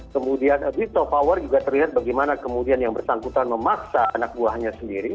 kemudian abuse of power juga terlihat bagaimana kemudian yang bersangkutan memaksa anak buahnya sendiri